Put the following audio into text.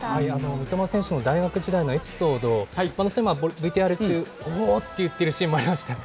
三笘選手の大学時代のエピソード、播戸さん、今、ＶＴＲ中、おーって言ってるシーンもありました。